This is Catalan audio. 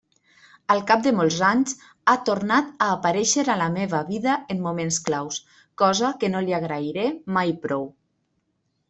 Al cap de molts anys, ha tornat a aparèixer en la meva vida en moments claus, cosa que no li agrairé mai prou.